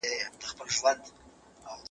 ايا د خطا قتل کفاره ټاکل سوې ده؟